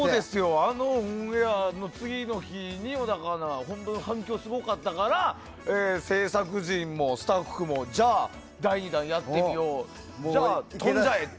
あのオンエアの次の日には反響がすごかったから制作陣もスタッフもじゃあ第２弾をやってみようじゃあ飛んじゃえって。